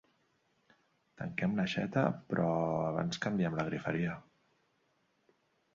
Tanquem l'aixeta, però abans canviem la “griferia”.